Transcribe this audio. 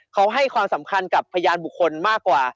เขาให้ความสำคัญกับพยานบุคคลมากกว่า